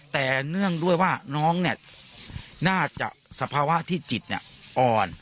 แต่เนื่องด้วยว่าน้องเนี่ยน่าจะสภาวะที่จิตอ่อน